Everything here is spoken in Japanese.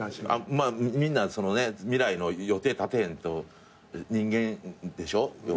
まあみんな未来の予定立てへんと人間でしょ。